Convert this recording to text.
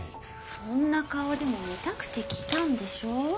そんな顔でも見たくて来たんでしょう？